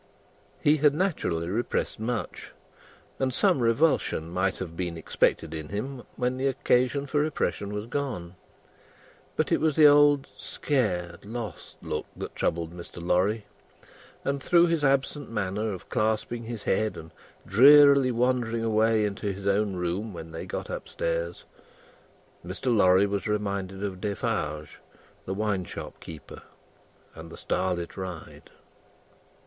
He had naturally repressed much, and some revulsion might have been expected in him when the occasion for repression was gone. But, it was the old scared lost look that troubled Mr. Lorry; and through his absent manner of clasping his head and drearily wandering away into his own room when they got up stairs, Mr. Lorry was reminded of Defarge the wine shop keeper, and the starlight ride.